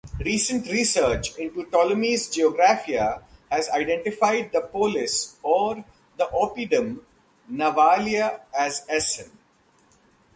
Recent research into Ptolemy's "Geographia" has identified the "polis" or "oppidum" Navalia as Essen.